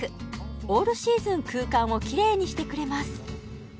オールシーズン空間をキレイにしてくれます